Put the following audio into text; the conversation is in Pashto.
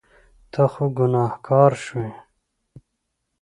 ته خو ګناهګار شوې.